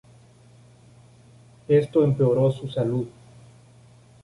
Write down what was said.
Esto empeoró su salud.